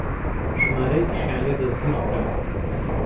ژمارەیەکیشیان لێ دەستگیر کرا